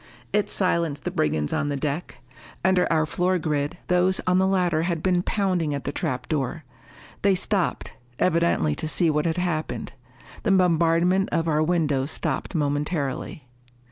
It silenced the brigands on the deck. Under our floor grid, those on the ladder had been pounding at the trap door. They stopped, evidently to see what had happened. The bombardment of our windows stopped momentarily.